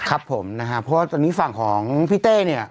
ครับผมนะฮะเพราะว่าตอนนี้ฝั่งของพี่เต้เนี่ย